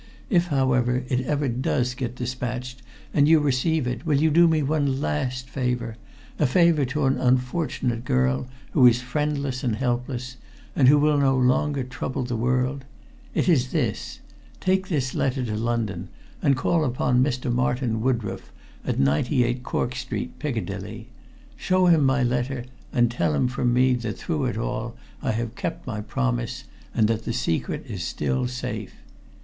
If, however, it ever does get despatched and you receive it, will you do me one last favor a favor to an unfortunate girl who is friendless and helpless, and who will no longer trouble the world? It is this: Take this letter to London, and call upon Mr. Martin Woodroffe at 98 Cork Street, Piccadilly. Show him my letter, and tell him from me that through it all I have kept my promise, and that the secret is still safe.